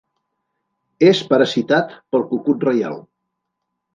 És parasitat pel cucut reial.